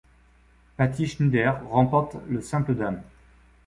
Patty Schnyder remporte le simple dames.